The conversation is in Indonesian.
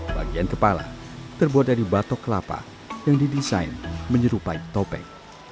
bagian kepala terbuat dari batok kelapa yang didesain menyerupai topeng